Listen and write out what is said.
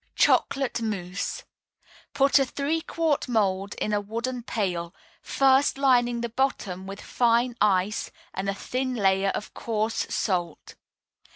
CHOCOLATE MOUSSE Put a three quart mould in a wooden pail, first lining the bottom with fine ice and a thin layer of coarse salt.